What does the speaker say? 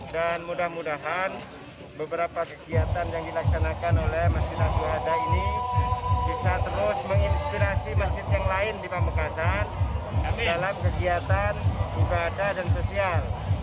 dan mudah mudahan beberapa kegiatan yang dilaksanakan oleh masjid agung adha ini bisa terus menginspirasi masjid yang lain di pamekasan dalam kegiatan ibadah dan sosial